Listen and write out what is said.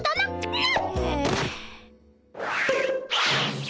なっ！